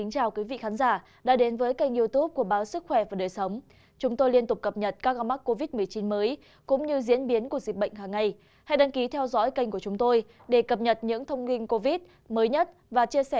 các bạn hãy đăng ký kênh để ủng hộ kênh của chúng mình nhé